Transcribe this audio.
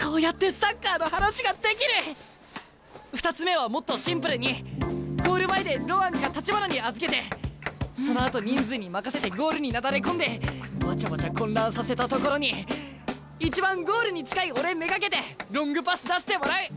２つ目はもっとシンプルにゴール前でロアンか橘に預けてそのあと人数に任せてゴールになだれ込んでわちゃわちゃ混乱させたところに一番ゴールに近い俺目がけてロングパス出してもらう。